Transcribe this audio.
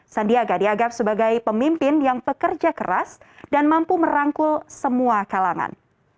sandiaga diagap sebagai pemimpin yang pekerja keras dan mampu merangkul semua kalangan